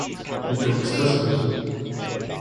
Wie dumm ist das bitte?